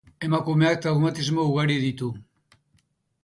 Emakumeak traumatismo ugari ditu.